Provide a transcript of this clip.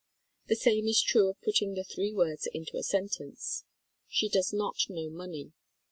The same is true of putting the three words into a sentence. She does not know money.